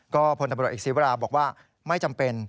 ก็พนับรวจเอกสิทธิ์เวลาบอกว่าไม่จำเป็น